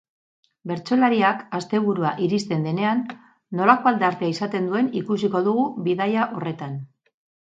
Bertsolariak asteburua iristen denean nolako aldartea izaten duen ikusiko dugu bidaia horretan.